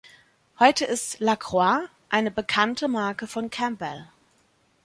Heute ist "Lacroix" eine bekannte Marke von Campbell.